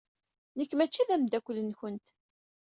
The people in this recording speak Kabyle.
Nekk maci d ameddakel-nwent.